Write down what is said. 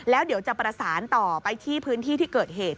แล้วเดี๋ยวจะประสานต่อไปที่พื้นที่ที่เกิดเหตุ